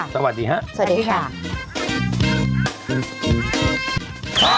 สวัสดีค่ะ